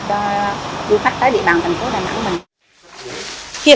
cho du khách tới địa bàn thành phố đà nẵng mình